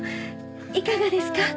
いかがですか？